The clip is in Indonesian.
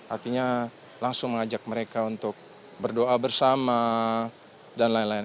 artinya langsung mengajak mereka untuk berdoa bersama dan lain lain